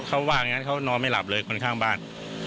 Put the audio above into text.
ใช่เค้าว่านั่นเค้านอนไม่หลับเลยคล้องข้างบ้าน